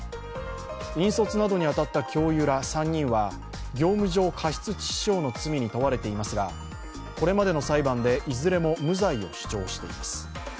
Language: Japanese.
引率などに当たった教諭ら３人は業務上過失致傷の罪に問われていますが、これまでの裁判でいずれも無罪を主張しています。